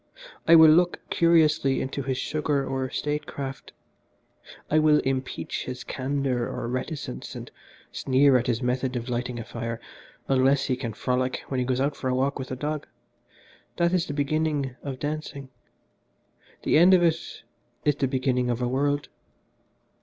I will look curiously into his sugar or statecraft. I will impeach his candour or reticence, and sneer at his method of lighting a fire unless he can frolic when he goes out for a walk with a dog that is the beginning of dancing: the end of it is the beginning of a world.